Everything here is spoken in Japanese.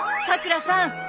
さくらさん